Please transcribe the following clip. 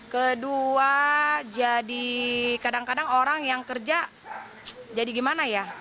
kedua jadi kadang kadang orang yang kerja jadi gimana ya